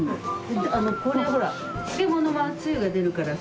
これほら漬物のつゆが出るからさ。